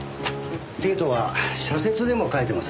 帝都は社説でも書いてますね。